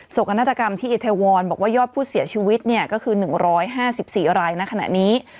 กนาฏกรรมที่อิเทวอนบอกว่ายอดผู้เสียชีวิตก็คือ๑๕๔รายในขณะนี้